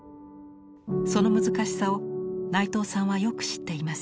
その難しさを内藤さんはよく知っています。